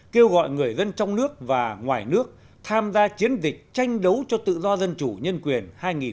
kêu gọi người dân trong nước và ngoài nước tham gia chiến dịch tranh đấu cho tự do dân chủ nhân quyền hai nghìn một mươi chín